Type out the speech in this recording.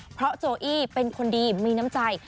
เพราะโจอี้เป็นคนดีมีน้ำใจ